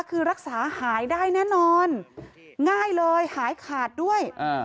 คือรักษาหายได้แน่นอนง่ายเลยหายขาดด้วย